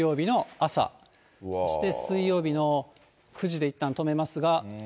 そして水曜日の９時でいったん止めますが。